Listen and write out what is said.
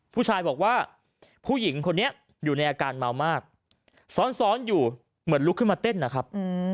ผู้ชายบอกว่าผู้หญิงคนนี้อยู่ในอาการเมามากซ้อนอยู่เหมือนลุกขึ้นมาเต้นนะครับ